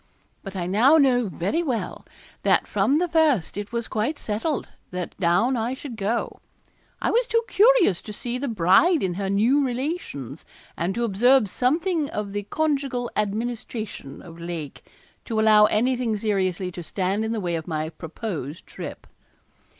But I now know very well that from the first it was quite settled that down I should go. I was too curious to see the bride in her new relations, and to observe something of the conjugal administration of Lake, to allow anything seriously to stand in the way of my proposed trip.